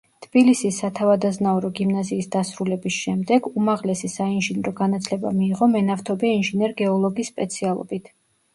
თბილისის სათავადაზნაურო გიმნაზიის დასრულების შემდეგ, უმაღლესი საინჟინრო განათლება მიიღო მენავთობე ინჟინერ–გეოლოგის სპეციალობით.